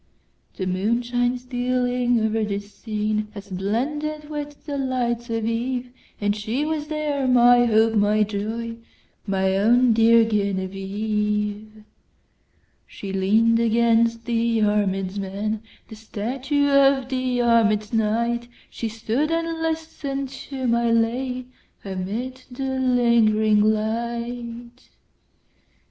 The moonshine stealing o'er the sceneHad blended with the lights of eve; And she was there, my hope, my joy, My own dear Genevieve! She lean'd against the armèd man, The statue of the armèd knight; She stood and listen'd to my lay, Amid the lingering light.